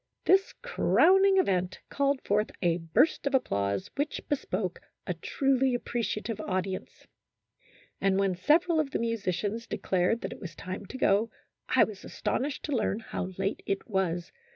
This crowning event called forth a burst of applause which bespoke a truly ap preciative audience, and when several of the musi cians declared that it was time to go, I was astonished to learn how late it was.